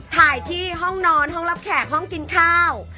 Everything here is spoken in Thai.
ถ่ายที่ห้องนอนห้องรับแขกห้องกินข้าว